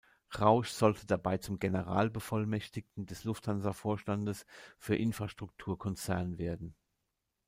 Rausch sollte dabei zum Generalbevollmächtigten des Lufthansa-Vorstandes für "Infrastruktur Konzern" werden.